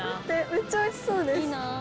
めっちゃおいしそうです。